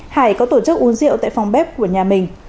hải có tổ chức uống rượu tại phòng bếp của nhà mình